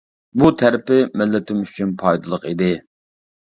بۇ تەرىپى مىللىتىم ئۈچۈن پايدىلىق ئىدى.